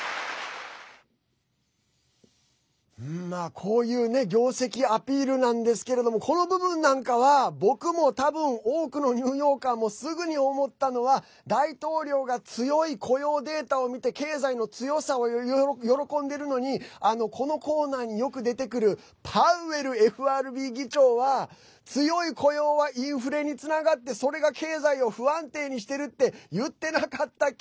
こういうね業績アピールなんですけれどもこの部分なんかは僕も多分多くのニューヨーカーもすぐに思ったのは大統領が強い雇用データを見て経済の強さを喜んでるのにこのコーナーによく出てくるパウエルＦＲＢ議長は強い雇用はインフレにつながってそれが経済を不安定にしてるって言ってなかったっけ？